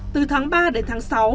từ tháng ba đến tháng sáu